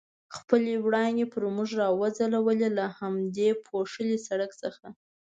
خپلې وړانګې پر موږ را وځلولې، له همدې پوښلي سړک څخه.